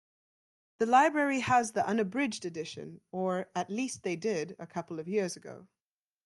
The library have the unabridged edition, or at least they did a couple of years ago.